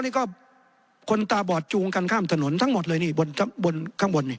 นี่ก็คนตาบอดจูงกันข้ามถนนทั้งหมดเลยนี่บนข้างบนข้างบนนี่